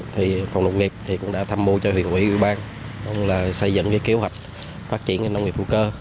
thì phòng nông nghiệp cũng đã tham mô cho huyện ủy ủy ban xây dựng kế hoạch phát triển nông nghiệp hữu cơ